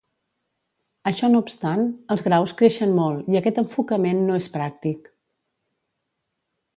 Això no obstant, els graus creixen molt i aquest enfocament no és pràctic.